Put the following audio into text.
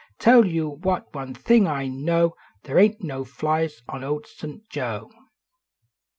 Tell you what, one thing I know They ain t no flies on Old St. Joe.